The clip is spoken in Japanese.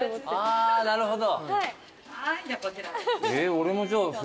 あなるほど。